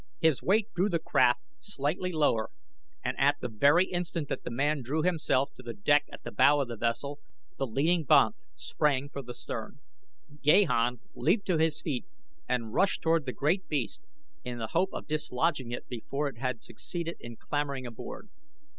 His weight drew the craft slightly lower and at the very instant that the man drew himself to the deck at the bow of the vessel, the leading banth sprang for the stern. Gahan leaped to his feet and rushed toward the great beast in the hope of dislodging it before it had succeeded in clambering aboard.